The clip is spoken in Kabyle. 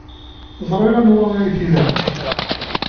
Ẓriɣ anwa ay t-ilan.